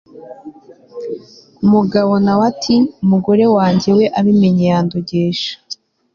Umugabo nawe ati umugore wanjye we abimenye yandogesha